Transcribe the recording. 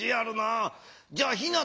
じゃあひなたは？